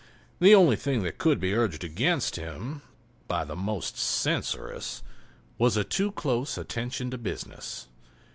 The only thing that could be urged against him by the most censorious was a too close attention to business.